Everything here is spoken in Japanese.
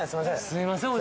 すいません